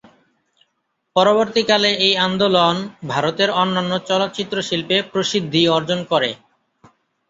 পরবর্তী কালে এই আন্দোলন ভারতের অন্যান্য চলচ্চিত্র শিল্পে প্রসিদ্ধি অর্জন করে।